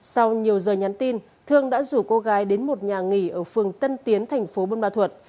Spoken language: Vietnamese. sau nhiều giờ nhắn tin thương đã rủ cô gái đến một nhà nghỉ ở phường tân tiến thành phố buôn ma thuật